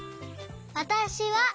「わたしは」